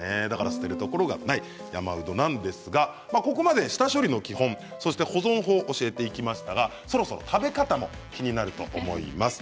捨てるところがない山うどなんですがここまで下処理の基本保存方法を教えていきましたがそろそろ食べ方も気になると思います。